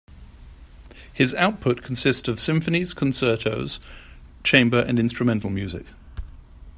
His output consists of symphonies, concertos, chamber and instrumental music.